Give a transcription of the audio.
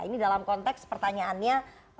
ini dalam konteks pertanyaannya